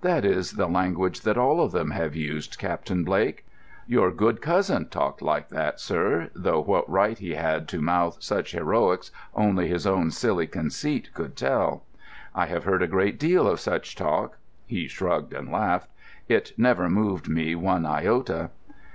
"That is the language that all of them have used, Captain Blake. Your good cousin talked like that, sir, though what right he had to mouth such heroics only his own silly conceit could tell. I have heard a great deal of such talk"—he shrugged and laughed—"it never moved me one iota."